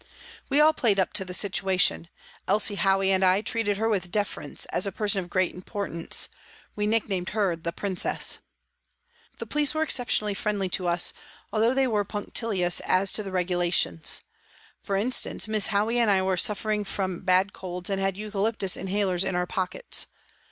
We all played up to the situation ; Elsie Howey and I treated her with deference, as a person of great importance ; we nicknamed her " the Princess." The police were exceptionally friendly to us, although they were punctilious as to the regulations. For instance, Miss Howey and I were suffering from bad colds and had eucalyptus inhalers in our pockets.